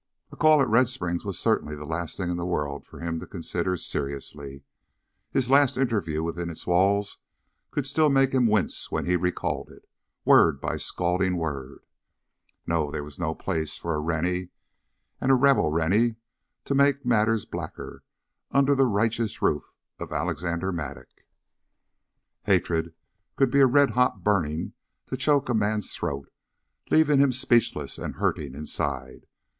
A call at Red Springs was certainly the last thing in the world for him to consider seriously. His last interview within its walls could still make him wince when he recalled it, word by scalding word. No, there was no place for a Rennie and a Rebel Rennie to make matters blacker under the righteous roof of Alexander Mattock! Hatred could be a red hot burning to choke a man's throat, leaving him speechless and hurting inside.